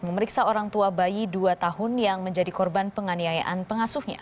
memeriksa orang tua bayi dua tahun yang menjadi korban penganiayaan pengasuhnya